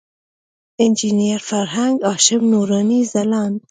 انجینر فرهنګ، هاشم نوراني، ځلاند.